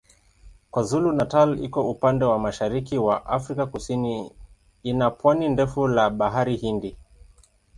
KwaZulu-Natal iko upande wa mashariki wa Afrika Kusini ina pwani ndefu la Bahari Hindi.